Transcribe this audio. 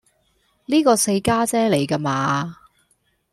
呢個四家姐嚟㗎嘛